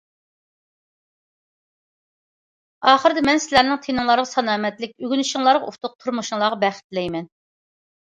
ئاخىرىدا مەن سىلەرنىڭ تېنىڭلارغا سالامەتلىك، ئۆگىنىشىڭلارغا ئۇتۇق، تۇرمۇشۇڭلارغا بەخت تىلەيمەن.